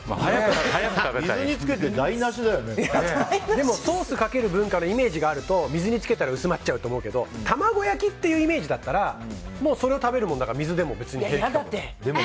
でもソースをかける文化のイメージがあると水をかけると薄まっちゃうと思うけど玉子焼きっていうイメージだったらそれを食べるものだから水でも別に。